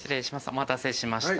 お待たせしました。